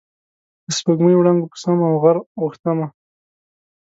د سپوږمۍ وړانګو په سم او غر غوښتمه